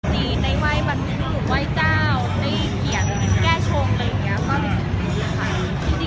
หยุดในวัยบรรพิวเวิร์ควัยเจ้าในเขียนแก้ชงอะไรอย่างนี้